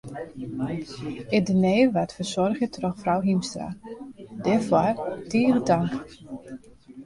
It diner waard fersoarge troch frou Hiemstra, dêrfoar tige tank.